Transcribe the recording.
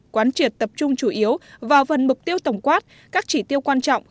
quán triệt tập trung chủ yếu vào phần mục tiêu tổng quát các chỉ tiêu quan trọng